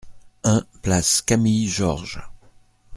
un place Camille Georges